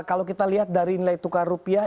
kalau kita lihat dari nilai tukar rupiah